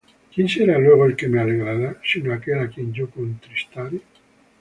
¿quién será luego el que me alegrará, sino aquel á quien yo contristare?